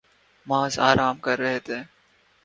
محض آرام کررہے تھے